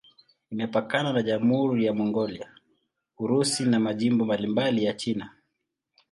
Imepakana na Jamhuri ya Mongolia, Urusi na majimbo mbalimbali ya China.